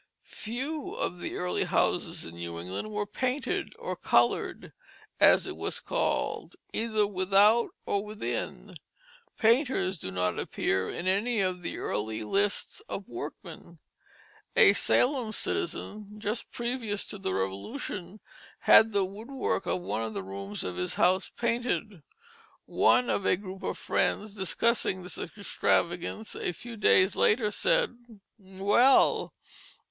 Few of the early houses in New England were painted, or colored, as it was called, either without or within. Painters do not appear in any of the early lists of workmen. A Salem citizen, just previous to the Revolution, had the woodwork of one of the rooms of his house painted. One of a group of friends, discussing this extravagance a few days later, said: "Well!